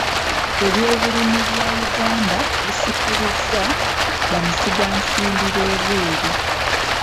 Ebyobulimi bya Uganda bisikirizza bamusigansimbi b'ebweeru.